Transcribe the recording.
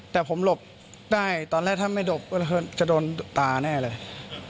แต่ผมหลบได้ตอนแรกถ้าไม่หลบก็จะโดนตาแน่เลย